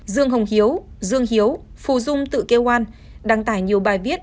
dương hồng hiếu dương hiếu phù dung tự kêu an đăng tải nhiều bài viết